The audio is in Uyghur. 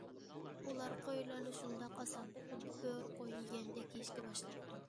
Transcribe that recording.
ئۇلار قويلارنى شۇنداق ئاسان، خۇددى بۆرە قوينى يېگەندەك يېيىشكە باشلاپتۇ.